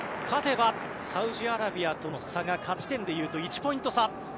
勝てばサウジアラビアとの差が勝ち点でいうと１ポイント差。